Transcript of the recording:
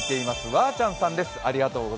わーちゃんさんです。